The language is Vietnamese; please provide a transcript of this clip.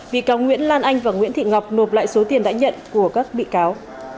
bị cáo nguyễn lan anh và nguyễn thị ngọc nộp lại số tiền đã nhận của các bị cáo